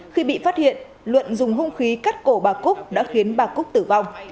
khi bị phát hiện luận dùng hung khí cắt cổ bà cúc đã khiến bà cúc tử vong